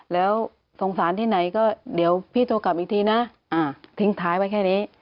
แล้วสงสารที่ไหนก็เดี๋ยวพี่โทรกลับอีกทีนะทิ้งท้ายไว้แค่นี้